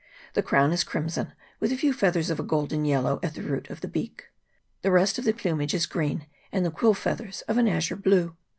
The crown is crimson, with a few feathers of a golden yellow at the root of the beak ; the rest of the plumage is green, and the quill feathers of an azure blue.